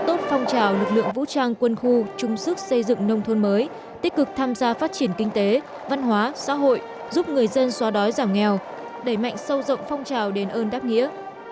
tốt phong trào lực lượng vũ trang quân khu trung sức xây dựng nông thôn mới tích cực tham gia phát triển kinh tế văn hóa xã hội giúp người dân xóa đói giảm nghèo đẩy mạnh sâu rộng phong trào đền ơn đáp nghĩa